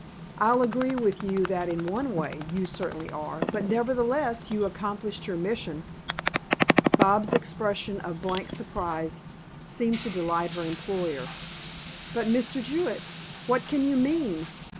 "I'll agree with you that in one way, you certainly are, but nevertheless you accomplished your mission." Bobs' expression of blank surprise seemed to delight her employer. "But, Mr. Jewett, what can you mean?